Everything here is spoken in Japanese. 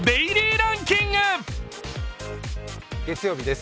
月曜日です